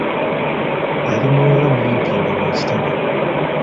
Yali muwala mumpi nga wa kitema.